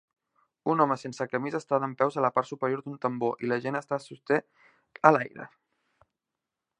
Un home sense camisa està dempeus a la part superior d'un tambor i la gent està sosté a l'aire.